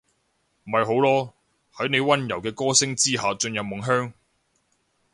咪好囉，喺你溫柔嘅歌聲之下進入夢鄉